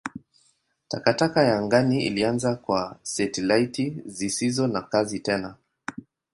Takataka ya angani ilianza kwa satelaiti zisizo na kazi tena.